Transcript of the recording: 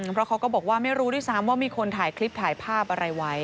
เพราะเขาก็บอกว่าไม่รู้ด้วยซ้ำว่ามีคนถ่ายคลิปถ่ายภาพอะไรไว้